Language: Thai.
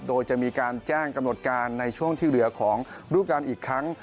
โดยจะมีการแจ้งกำหนดการในช่วงที่เหลือของรูปการณ์อีกครั้ง